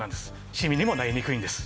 シミにもなりにくいんです。